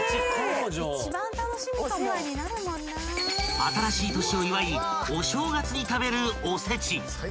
［新しい年を祝いお正月に食べる］